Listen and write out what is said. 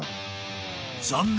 ［残念。